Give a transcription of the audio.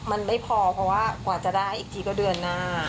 มันไม่พอเพราะว่ากว่าจะได้อีกทีก็เดือนหน้า